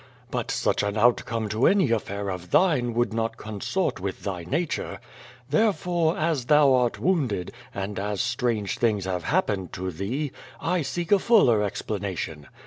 But such an out come to any affair of thine would not consort with thy na ture. Tlierefore, as thou art wounded, and as strange things liave happened to thee, I seek a fuller explanation.